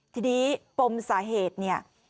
ทีนี้ปมสาเหตุเนี่ย